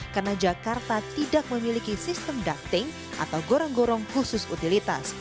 karena jakarta tidak memiliki sistem ducting atau gorong gorong khusus utilitas